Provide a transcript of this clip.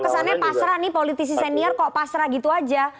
kesannya pasrah nih politisi senior kok pasrah gitu aja